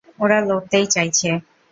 ওরা লড়তেই চাইছে।